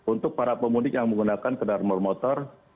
untuk para pemudik yang menggunakan kendaraan bermotor